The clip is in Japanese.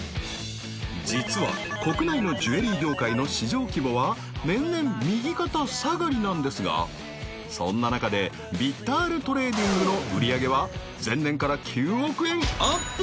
実は国内のジュエリー業界の市場規模は年々右肩下がりなんですがそんな中でビッタァルトレーディングの売上げは前年から９億円アップ